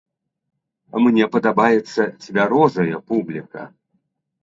Мне падабаецца цвярозая публіка!